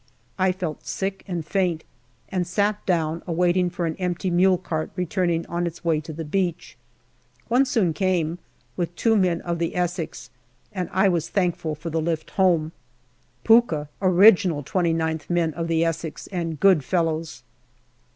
I felt sick and faint, and sat down waiting for an empty mule cart returning on its way to the beach. One soon came, with two men of the Essex, and I was thank ful for the lift home. " Pukka " original 2Qth men of the Essex, and good fellows.